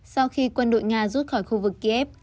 sau khi quân đội nga rút khỏi khu vực kiev